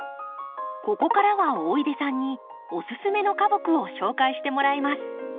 ここからは大出さんにおすすめの花木を紹介してもらいます。